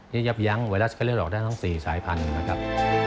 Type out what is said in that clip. ที่จะยับยังไวรัสไข้เลือดออกได้ทั้ง๔สายพันธุ์นะครับ